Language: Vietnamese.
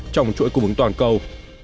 trong chuỗi cung bứng toàn cầu